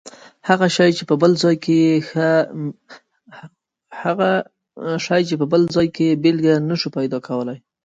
بېل زاویې لیدلوري ګوري.